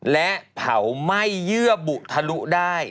และเผาไหม้เยื่อบุทะลุได้